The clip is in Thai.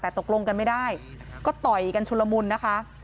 แต่ตกลงกันไม่ได้ก็ต่อยกันชุลมุนนะคะ